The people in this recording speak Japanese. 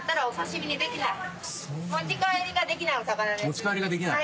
持ち帰りができない。